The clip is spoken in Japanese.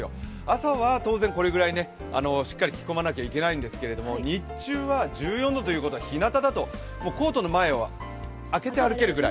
朝は当然これぐらいしっかり着込まなきゃいけないんですけども、日中は１４度ということでひなただとコートの前を開けて歩けるぐらい。